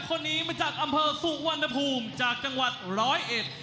คนนี้มาจากอำเภอสุวรรณภูมิจากจังหวัดร้อยเอ็ด